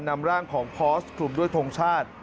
นำร่างของพอสคลุมด้วยทงชาติ